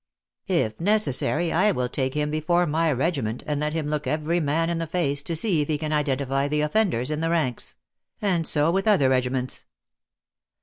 If necessary, I will take him before my regiment, and let him look every man in the face, to see if he can identify the offenders in the ranks; and so with other .regi ments."